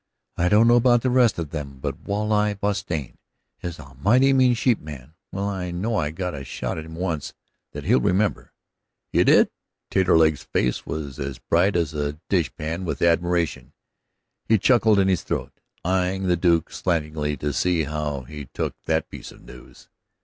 "I don't know about the rest of them, but Walleye Bostian is a mighty mean sheepman. Well, I know I got a shot at him once that he'll remember." "You did?" Taterleg's face was as bright as a dishpan with admiration. He chuckled in his throat, eying the Duke slantingly to see how he took that piece of news.